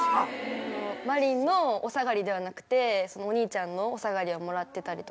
真凜のお下がりではなくてお兄ちゃんのお下がりをもらってたりとか。